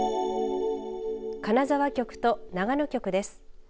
金沢局と長野局です。